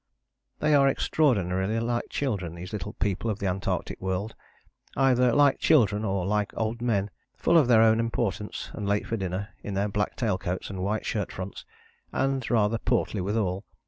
" They are extraordinarily like children, these little people of the Antarctic world, either like children, or like old men, full of their own importance and late for dinner, in their black tail coats and white shirt fronts and rather portly withal.